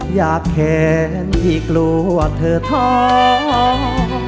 หยาบแค้นที่กลัวเธอท้อน